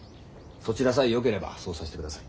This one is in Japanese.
そちらさえよければそうさせてください。